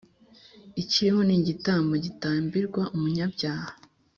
ikiriho ni igitambo gitambirwa umunyabyaha